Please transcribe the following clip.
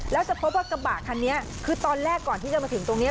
แล้วจะพบว่ากระบะคันนี้คือตอนแรกก่อนที่จะมาถึงตรงนี้